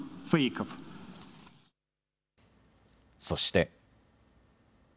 そして。